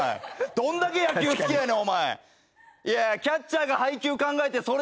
どんだけ野球好きやねん？